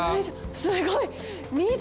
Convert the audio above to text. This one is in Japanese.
すごい緑！